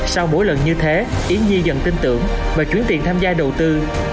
sau mỗi lần như thế yến nhi dần tin tưởng và chuyển tiền tham gia đầu tư